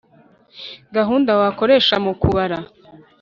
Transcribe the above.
gahunda wakoresha mu kubara